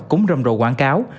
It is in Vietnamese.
cũng rầm rộ quảng cáo